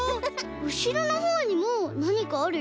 うしろのほうにもなにかあるよ。